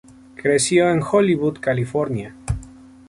Creció en Hollywood, California.